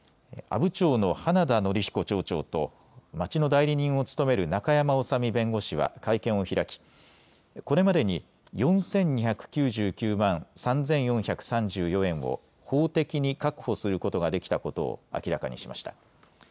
阿武町の花田憲彦町長と町の代理人を務める中山修身弁護士は会見を開きこれまでに４２９９万３４３４円を法的に確保することができたことを明らかにしました。